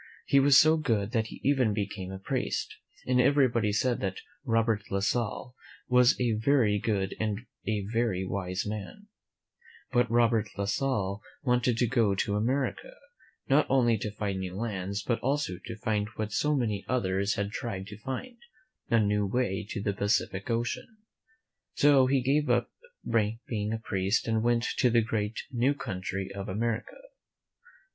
He was so good that he even became a priest, and everybody said that Robert La Salle was a very good and a very wise man. But Robert La Salle wanted to go to America, not only to find new lands, but also to find what so many others had tried to find, a new way to id} '■■}) 149 THE M E N WHO FOUND AMERIC •^^^Py.^ ^^*^^ l the Pacific Ocean. So he gave up being a priest and went to the great, new country of America.